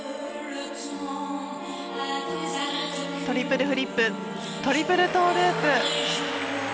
トリプルフリップトリプルトーループ。